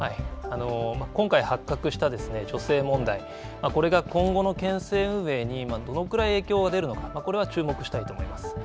今回発覚した女性問題、これが今後の県政運営にどのぐらい影響が出るのか、これは注目したいと思います。